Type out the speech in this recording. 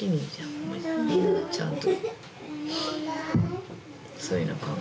ちゃんと。